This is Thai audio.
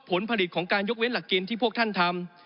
ผลผลิตของการยกเว้นหลักเกณฑ์ที่พวกท่านทำ